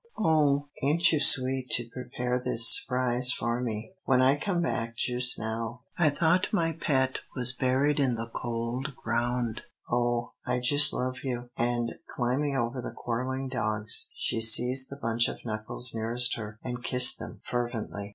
Oh, ain't you sweet to prepare this s'prise for me. When I come back jus' now I thought my pet was buried in the cold ground oh, I jus' love you!" and, climbing over the quarrelling dogs, she seized the bunch of knuckles nearest her, and kissed them fervently.